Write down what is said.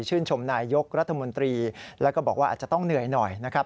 ชมนายยกรัฐมนตรีแล้วก็บอกว่าอาจจะต้องเหนื่อยหน่อยนะครับ